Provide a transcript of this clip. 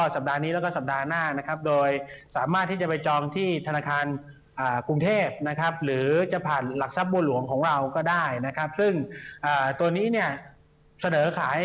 เสดอขายช่วงแรกเนี่ย